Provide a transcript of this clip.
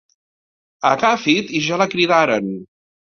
Agafi't i ja la cridaran.